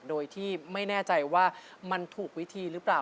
โดยที่ไม่แน่ใจว่ามันถูกวิธีหรือเปล่า